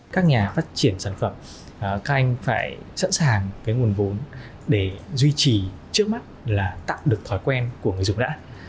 các nhà phát triển sản phẩm các anh phải sẵn sàng cái nguồn vốn để duy trì trước mắt là tạo được thói quen của người dùng đã